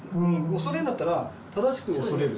恐れるんだったら正しく恐れると。